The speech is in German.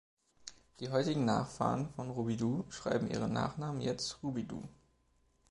Die heutigen Nachfahren von Robidoux schreiben ihren Nachnamen jetzt Rubidoux.